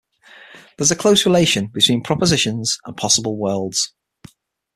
There is a close relation between propositions and possible worlds.